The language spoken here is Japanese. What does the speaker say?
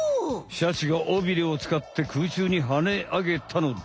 シャチが尾ビレをつかってくうちゅうにはねあげたのだ。